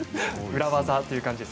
裏技という感じです。